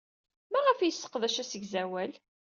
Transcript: Maɣef ay yesseqdac asegzawal-a?